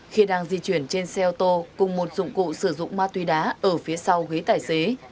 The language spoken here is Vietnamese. khi đang di chuyển trên xe ô tô cùng một dụng cụ sử dụng ma túy đá ở phía sau ghế tài xế